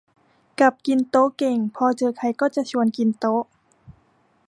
กับกินโต๊ะเก่ง พอเจอใครก็จะชวนกินโต๊ะ